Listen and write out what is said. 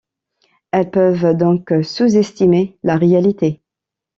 Elles peuvent donc sous-estimer la réalité.